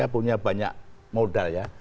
punya banyak modal ya